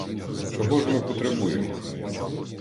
Чого ж ми потребуємо?